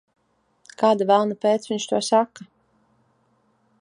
Kāda velna pēc viņš to saka?